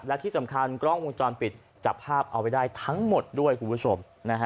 และที่สำคัญกล้องวงจรปิดจับภาพเอาไว้ได้ทั้งหมดด้วยคุณผู้ชม